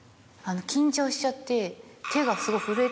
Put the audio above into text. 緊張しちゃって。